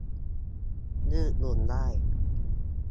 ยืดหยุ่นได้